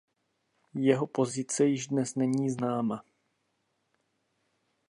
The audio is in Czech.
Jeho pozice již dnes není známa.